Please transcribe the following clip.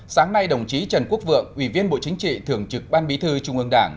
sáng nay đồng chí trần quốc vượng ủy viên bộ chính trị thường trực ban bí thư trung ương đảng